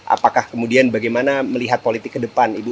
apakah kemudian bagaimana melihat politik kedepan ibu